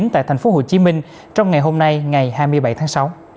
tại thành phố hồ chí minh trong ngày hôm nay ngày hai mươi bảy tháng sáu